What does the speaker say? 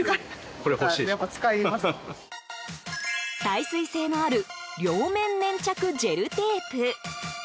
耐水性のある両面粘着ジェルテープ。